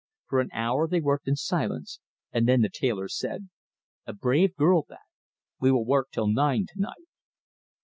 For an hour they worked in silence, and then the tailor said: "A brave girl that. We will work till nine to night!"